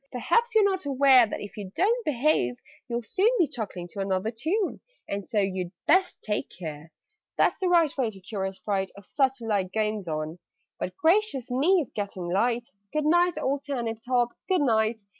Perhaps you're not aware That, if you don't behave, you'll soon Be chuckling to another tune And so you'd best take care!' "That's the right way to cure a Sprite Of such like goings on But gracious me! It's getting light! Good night, old Turnip top, good night!"